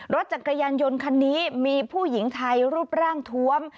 รถจักรยานยนต์คันนี้มีผู้หญิงไทยรูปร่างทวม